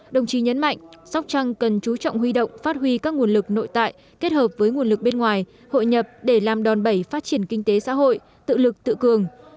đồng chí nhấn mạnh sóc trăng cần chú trọng huy động phát huy các nguồn lực nội tại kết hợp với nguồn lực bên ngoài hội nhập để làm đòn bẩy phát triển kinh tế xã hội tự lực tự cường